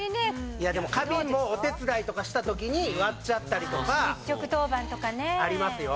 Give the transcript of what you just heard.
いやでも花瓶もお手伝いとかした時に割っちゃったりとかありますよ。